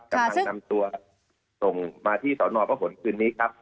กำลังนำตัวส่งมาที่สอนอพระขนคืนนี้ครับ